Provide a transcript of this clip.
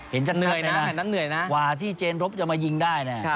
เห็นจัดว่าที่เจนรบจะมายิงได้